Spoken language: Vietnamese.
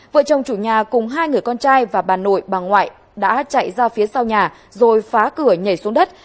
vợ chồng chủ nhà cùng hai người con trai và bà nội bà ngoại đã chạy ra phía sau nhà rồi phá cửa nhảy xuống đất